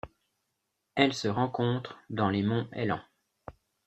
Elle se rencontre dans les monts Helan.